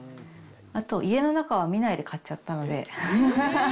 あと、家の中は見ないで買っちゃったので。